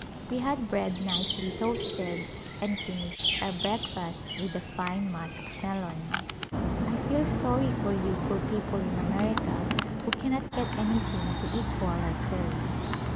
We had bread nicely toasted and finished our breakfast with a fine musk melon. I feel sorry for you poor people in America who cannot get anything to equal our curry.